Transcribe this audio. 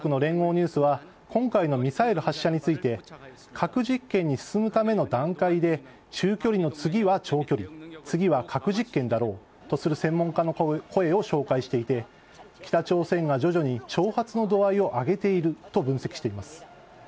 ニュースは今回のミサイル発射について核実験に進むための段階で中距離の次は長距離次は核実験だろうとする専門家の声を紹介していて北朝鮮が徐々に挑発の度合いを上げていると分析しています。